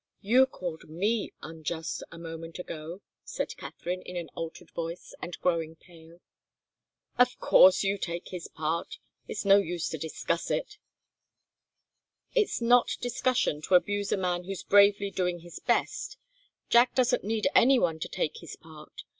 "You called me unjust a moment ago," said Katharine, in an altered voice, and growing pale. "Of course you take his part. It's no use to discuss it " "It's not discussion to abuse a man who's bravely doing his best. Jack doesn't need any one to take his part.